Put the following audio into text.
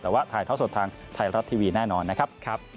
แต่ว่าถ่ายท่อสดทางไทยรัฐทีวีแน่นอนนะครับ